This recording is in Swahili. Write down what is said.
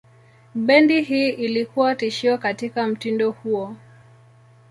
Bendi hii ilikuwa tishio katika mtindo huo.